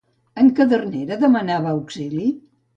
En Cadernera demanava auxili?